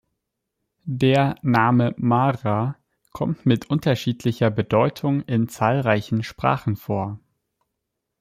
Der Name Mara kommt mit unterschiedlicher Bedeutung in zahlreichen Sprachen vor.